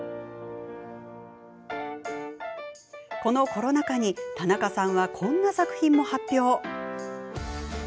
このコロナ禍に、田中さんはこんな作品も発表。